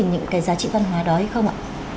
giữ gì những cái giá trị văn hóa đó hay không ạ